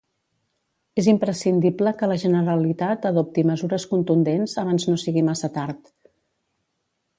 És imprescindible que la Generalitat adopti mesures contundents abans no sigui massa tard.